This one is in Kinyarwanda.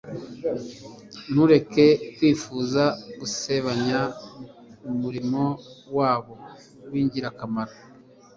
Ntureke Kwifuza gusebanya umurimo wabo w'ingirakamaro,